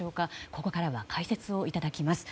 ここからは解説をいただきます。